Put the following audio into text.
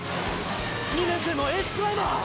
２年生のエースクライマー！！